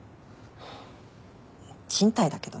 賃貸だけどね。